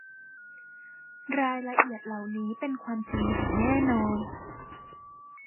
รายละเอียดเหล่านี้เป็นความจริงอย่างแน่นอน